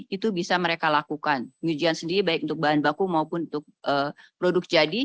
itu bisa mereka lakukan pengujian sendiri baik untuk bahan baku maupun untuk produk jadi